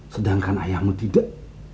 sedangkan ayahmu tidak